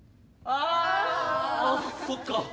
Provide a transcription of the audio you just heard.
ああそっか。